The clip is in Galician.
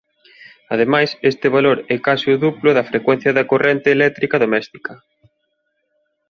Ademais este valor é case o duplo da frecuencia da corrente eléctrica doméstica.